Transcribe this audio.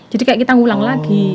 jadi seperti kita ulang lagi